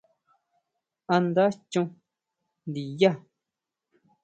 ¿A nda chon ndinyá?